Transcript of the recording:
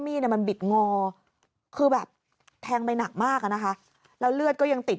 เนี่ยมันบิดงอคือแบบแทงไปหนักมากอะนะคะแล้วเลือดก็ยังติด